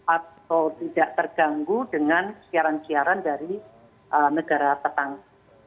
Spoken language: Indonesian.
atau tidak terganggu dengan siaran siaran dari negara tetangga